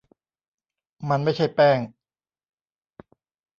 มันไม่ใช่แป้ง